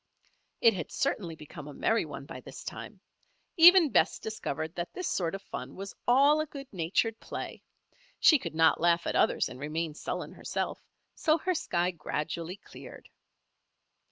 It had certainly become a merry one by this time. Even Bess discovered that this sort of fun was all a good natured play. She could not laugh at others and remain sullen herself; so her sky gradually cleared.